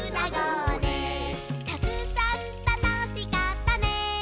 「たくさんたのしかったね」